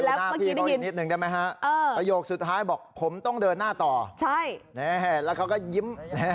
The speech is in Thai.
หน้าพี่เขาอีกนิดนึงได้ไหมฮะประโยคสุดท้ายบอกผมต้องเดินหน้าต่อแล้วเขาก็ยิ้ม